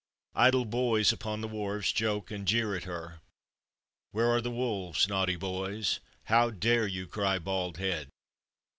Idle boys upon the wharves joke and jeer at her. Where are the wolves, naughty boys? How dare you cry bald head?